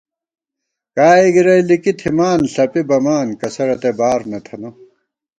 کائے گِرَئی لِکی تھِمان ݪَپی بَمان ، کسہ رتئ بار نہ تھنہ